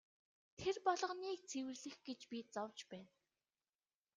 Тэр болгоныг цэвэрлэх гэж би зовж байна.